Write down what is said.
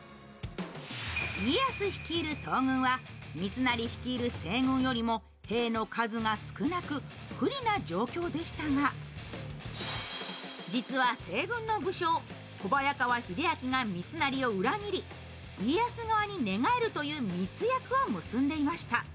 家康率いる東軍は三成率いる西軍よりも兵の数が少なく、不利な状況でしたが実は西軍の武将・小早川秀秋が三成を裏切り家康側に寝返るという密約を結んでいました。